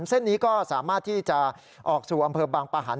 เส้นนี้ก็สามารถที่จะออกสู่อำเภอบางปะหัน